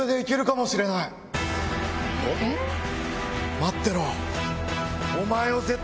待ってろ！